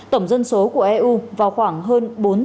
tổng dân số của eu vào khoảng hơn bốn trăm năm mươi chín bảy triệu người